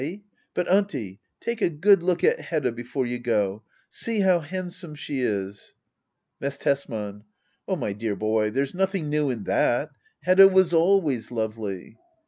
£h ? But Auntie, take a good look at Hedda before you go! See how hand some she is ! Miss Tesman. Oh, my dear boy, there's nothing new in that. Hedda was always lovely.